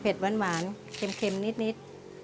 เผ็ดหวานเค็มนิด